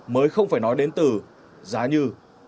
mới không phải nói đến từ giá như